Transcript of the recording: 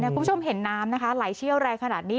คุณผู้ชมเห็นน้ำนะคะไหลเชี่ยวแรงขนาดนี้